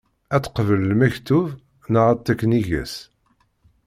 Ad teqbel lmektub, neɣ ad tekk nnig-s?